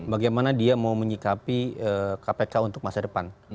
bagaimana dia mau menyikapi kpk untuk masa depan